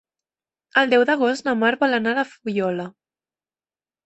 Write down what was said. El deu d'agost na Mar vol anar a la Fuliola.